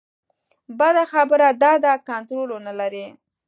بده خبره دا ده کنټرول ونه لري.